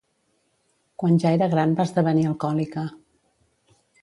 Quan ja era gran va esdevenir alcohòlica.